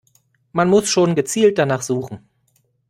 Man muss schon gezielt danach suchen.